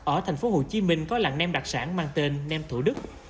ở thành phố hồ chí minh có làng nem đặc sản mang tên nem thủ đức